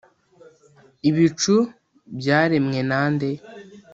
ibicu byaremwe nande.